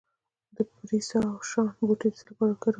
د پرسیاوشان بوټی د څه لپاره وکاروم؟